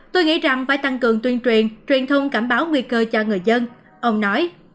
tôi nghĩ rằng phải tăng cường tuyên truyền truyền thông cảnh báo nguy cơ cho người dân ông nói